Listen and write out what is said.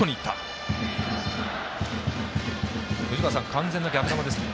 完全な逆球ですね。